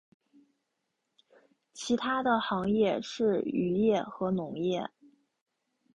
其它的行业是渔业和农业。